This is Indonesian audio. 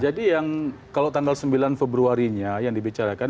jadi yang kalau tanggal sembilan februarinya yang dibicarakan